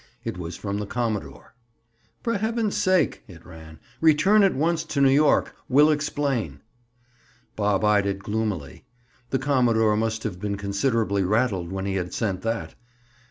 It was from the commodore. "For heaven's sake," it ran, "return at once to New York Will explain." Bob eyed it gloomily. The commodore must have been considerably rattled when he had sent that.